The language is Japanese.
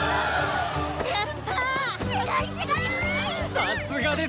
さすがです！